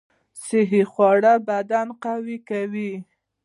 صحي خواړه بدن قوي کوي